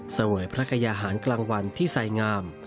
เสวยพระกายาหารกลางวันที่ไสงาม